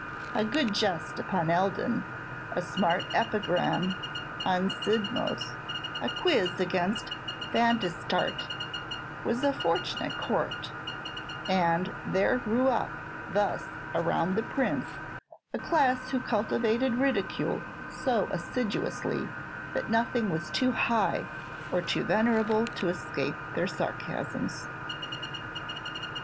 A good jest upon Eldon, a smart epigram on Sidmouth, a quiz against Vansittart, was a fortune at Court; and there grew up thus around the Prince a class who cultivated ridicule so assiduously that nothing was too high or too venerable to escape their sarcasms.